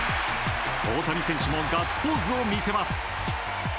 大谷選手もガッツポーズを見せます。